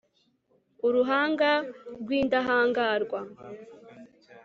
uruhanga rw'indahangarwa